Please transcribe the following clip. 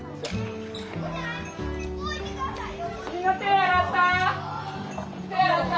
みんな手洗った？